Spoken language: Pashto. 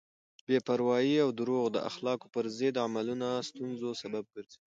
بې پروایی او دروغ د اخلاقو پر ضد عملونه د ستونزو سبب ګرځي.